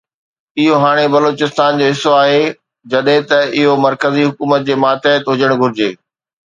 اهو هاڻي بلوچستان جو حصو آهي جڏهن ته اهو مرڪزي حڪومت جي ماتحت هجڻ گهرجي.